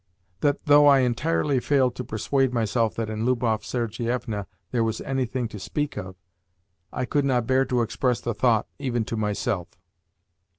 that, though I entirely failed to persuade myself that in Lubov Sergievna there was anything to speak of, I could not bear to express the thought, even to myself.